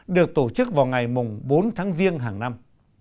được tổ chức vào ngày bốn tháng riêng hàng năm